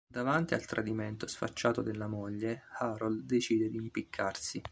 Davanti al tradimento sfacciato della moglie, Harold decide di impiccarsi.